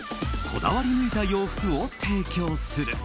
こだわり抜いた洋服を提供する。